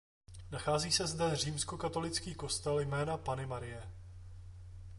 Nachází se zde římskokatolický kostel Jména Panny Marie.